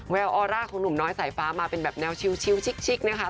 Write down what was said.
ออร่าของหนุ่มน้อยสายฟ้ามาเป็นแบบแนวชิลชิกนะคะ